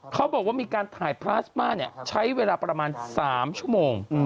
เขาบอกว่ามีการถ่ายพลาสมาใช้เวลาประมาณ๓ชั่วโมง